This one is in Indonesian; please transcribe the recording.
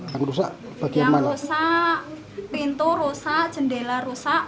yang rusak pintu rusak jendela rusak